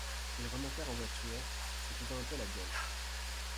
Ils remontèrent en voiture, se faisant un peu la gueule.